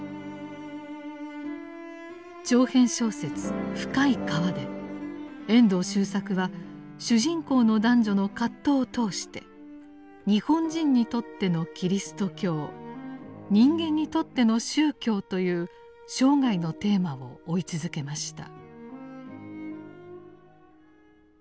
長編小説「深い河」で遠藤周作は主人公の男女の葛藤を通して「日本人にとってのキリスト教」「人間にとっての宗教」という生涯のテーマを追い続けました。